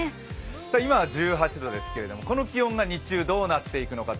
今は１８度ですけど、この気温が日中どうなっていくのか。